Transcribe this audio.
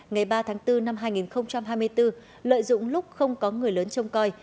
ngày ba tháng bốn năm hai nghìn hai mươi bốn lợi dụng lúc không có người lớn trông coi